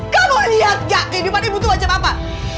kamu lihat gak kebimu tuh macam apa